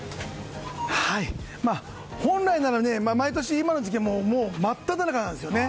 本来なら、毎年今の時期は真っただ中なんですよね。